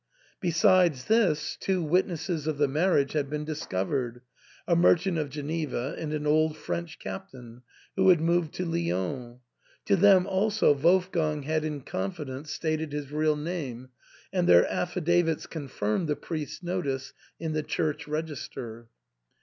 Besides this, two witnesses of the marriage had been discovered, a merchant of Gen eva and an old French captain, who had moved to Lyons ; to them also Wolfgang had in confidence stated his real name ; and their affidavits confirmed the priest's notice in the church register.